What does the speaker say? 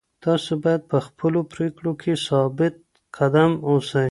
تاسو باید په خپلو پرېکړو کي ثابت قدم اوسئ.